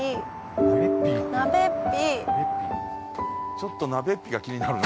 ちょっとなべっぴが気になるな。